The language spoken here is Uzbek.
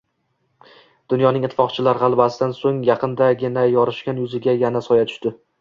Dunyoning ittifoqchilar g‘alabasidan so‘ng yaqindagina yorishgan yuziga yana soya tushdi